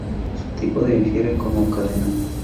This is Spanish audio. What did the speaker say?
Su tipo se infiere como cadena.